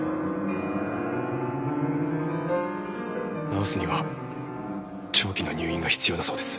治すには長期の入院が必要だそうです。